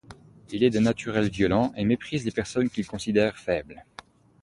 Il est d’un naturel violent et méprise les personnes qu’il considère faibles.